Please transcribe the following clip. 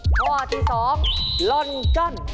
ก่อที่๒ล้อนเจิ้อน